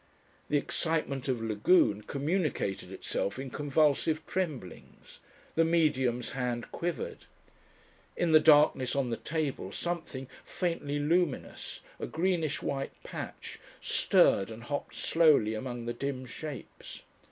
The excitement of Lagune communicated itself in convulsive tremblings; the Medium's hand quivered. In the darkness on the table something faintly luminous, a greenish white patch, stirred and hopped slowly among the dim shapes.